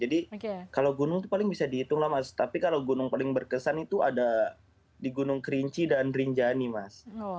jadi pun bisa dihitung tapi kalau gunung paling berkesan itu ada di gunung kerinci dan rinjani mas